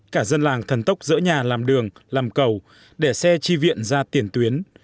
cả dân làng thần tốc dỡ nhà làm đường làm cầu để xe chi viện ra tiền tuyến